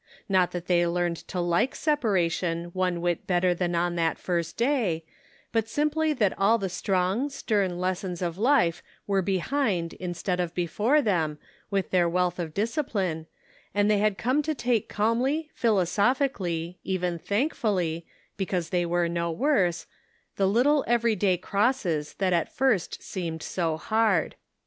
Not that they learned to like separa tion one whit better than on that first day, but simply that all the strong, stern lessons of life were behind instead of before them, with their wealth of discipline, and they had come to take calmly, philosophically, even thankfully, because they were no worse, the little every day crosses that at first seemed so hard.